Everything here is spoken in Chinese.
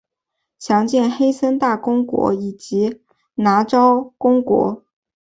详见黑森大公国以及拿绍公国。